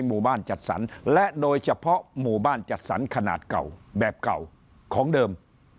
หมู่บ้านจัดสรรและโดยเฉพาะหมู่บ้านจัดสรรขนาดเก่าแบบเก่าของเดิม